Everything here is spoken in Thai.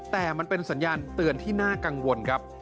แต่มันเป็นสัญญาณเตือนที่น่ากังวลครับ